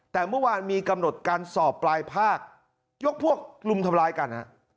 แต่เมื่อวานมีกำหนดการสอบปลายภาคยกพวกลุมทำร้ายกันฮะ